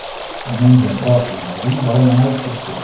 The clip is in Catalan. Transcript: Diumenge en Roc i en Garbí volen anar d'excursió.